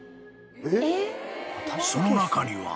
［その中には］